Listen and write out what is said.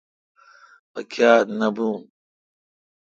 مہ کاتھ نہ بھوں